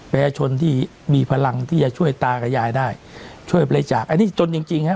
ประชาชนที่มีพลังที่จะช่วยตากับยายได้ช่วยบริจาคอันนี้จนจริงจริงฮะ